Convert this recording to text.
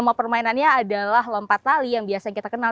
semua permainannya adalah lompat tali yang biasa kita kenal